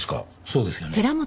そうですよね？